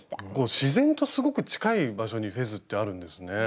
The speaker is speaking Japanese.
自然とすごく近い場所にフェズってあるんですね。